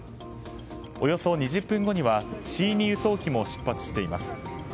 およそ２０分後にはＣ２輸送機も出発しています。